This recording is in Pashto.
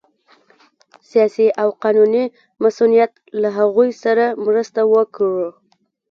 سیاسي او قانوني مصونیت له هغوی سره مرسته وکړه